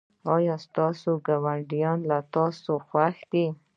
ایا ستاسو ګاونډیان له تاسو خوښ دي؟